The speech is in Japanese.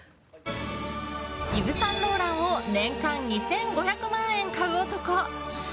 イヴ・サンローランを年間２５００万円買う男。